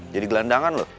jadi gelandangan lo